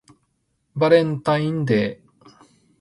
バレンタインデー